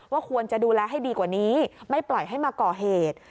ควรจะดูแลให้ดีกว่านี้ไม่ปล่อยให้มาก่อเหตุ